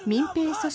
組織